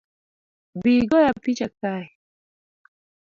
Bi igoya picha kae